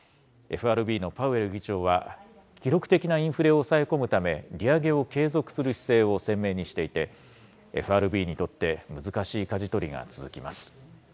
ＦＲＢのパウエル議長は、記録的なインフレを抑え込むため、利上げを継続する姿勢を鮮明にしていて、ＦＲＢにとって難しいかじ取りが続きます。